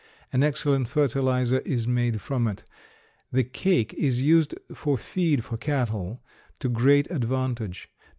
An excellent fertilizer is made from it. The cake is used for feed for cattle to great advantage.